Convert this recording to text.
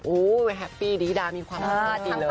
โอ้วแฮปปี้ดีดามีความภูมิดีเลย